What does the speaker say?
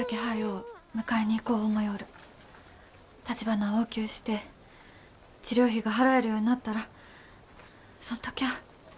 たちばなを大きゅうして治療費が払えるようになったらそん時ゃあ。